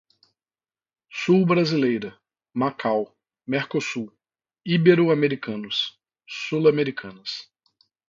sul-brasileira, Macau, Mercosul, Ibero-americanos, Sul-Americanas